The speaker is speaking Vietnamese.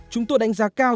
chúng tôi đánh giá cao